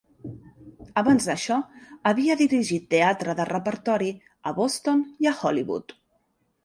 Abans d'això havia dirigit teatre de repertori a Boston i a Hollywood.